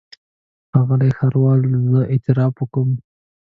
ښاغلی ښاروال زه اعتراف کوم.